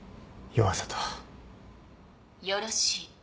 よろしい。